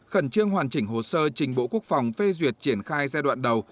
khẩn trương hoàn chỉnh hồ sơ trình bộ quốc phòng phê duyệt triển khai giai đoạn đầu